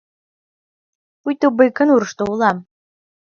Пуйто Байконурышто улам.